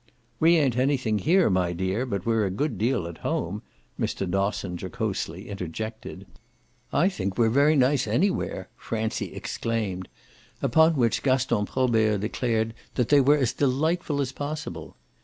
"We ain't anything here, my dear, but we're a good deal at home," Mr. Dosson jocosely interjected. "I think we're very nice anywhere!" Francie exclaimed; upon which Gaston Probert declared that they were as delightful as possible.